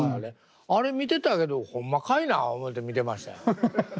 あれ見てたけどホンマかいな思うて見てましたよ。